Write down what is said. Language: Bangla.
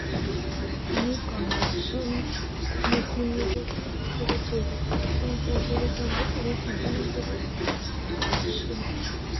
তিনি কনভেনশন মুসলিম লীগের নেতা হিসেবে পূর্ব পাকিস্তান সরকারের খাদ্য ও কৃষি মন্ত্রণালয়ের দায়িত্ব পালন করেছিলেন।